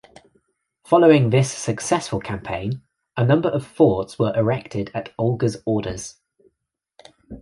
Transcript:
Following this successful campaign, a number of forts were erected at Olga's orders.